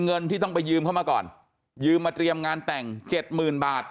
เงินที่ต้องไปยืมเข้ามาก่อนยืมมาเตรียมงานแต่งเจ็ดหมื่นบาท